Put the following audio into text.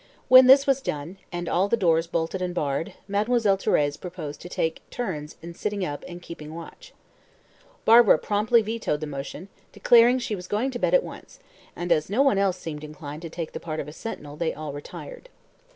When this was done, and all the doors bolted and barred, Mademoiselle Thérèse proposed to take turns in sitting up and keeping watch. Barbara promptly vetoed the motion, declaring she was going to bed at once, and, as no one else seemed inclined to take the part of sentinel, they all retired.